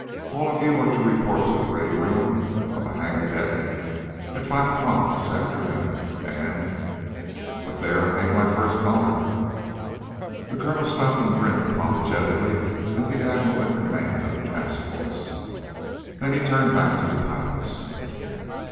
All of you are to report to the Ready Room, on the hangar deck, at five o'clock this afternoon. And But there I make my first boner!" The colonel stopped and grinned apologetically at the Admiral in command of the task force. Then he turned back to the pilots.